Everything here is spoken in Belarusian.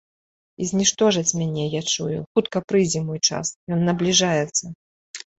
І зніштожаць мяне, я чую, хутка прыйдзе мой час, ён набліжаецца.